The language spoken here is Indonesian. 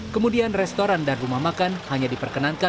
kemudian restoran dan rumah makan hanya diperkenankan